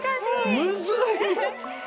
むずい！